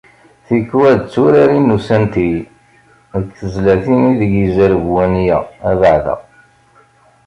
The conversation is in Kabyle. Tikwal d turarin n usanti, deg tezlatin ideg yezreb wanya abeɛda.